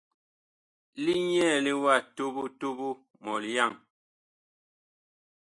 Li nyɛɛle wa toɓo toɓo mɔlyaŋ!